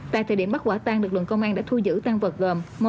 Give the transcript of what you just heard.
tại thời điểm bắt quả tăng lực lượng công an đã thu giữ tăng vật gồm